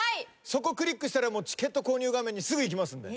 そこクリックしたらチケット購入画面にすぐいきますんで。